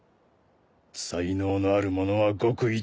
才能のある者はごく一部。